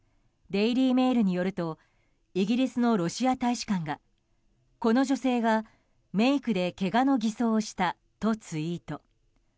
デイリー・メールによるとイギリスのロシア大使館がこの女性がメイクでけがの偽装をしたとツイート。